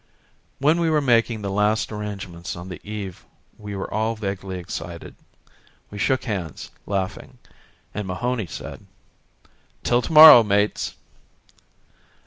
When we were making the last arrangements on the eve we were all vaguely excited. We shook hands, laughing, and Mahony said: "Till tomorrow, mates!"